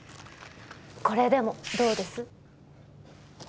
これでもどうです？